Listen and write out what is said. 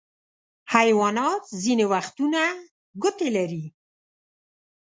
حیوانات ځینې وختونه ګوتې لري.